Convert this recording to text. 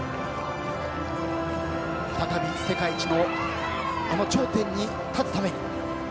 再び世界一のあの頂点に立つために。